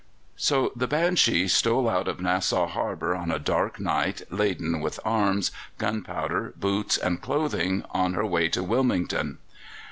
So the Banshee stole out of Nassau Harbour on a dark night, laden with arms, gunpowder, boots, and clothing, on her way to Wilmington.